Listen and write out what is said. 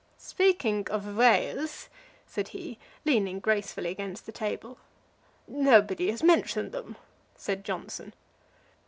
"Speaking of whales," said he, leaning gracefully against the table. "Nobody has mentioned 'em," said Johnson.